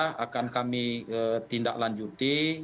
kami akan melakukan tindak lanjuti